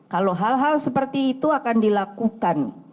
kalau hal hal seperti itu akan dilakukan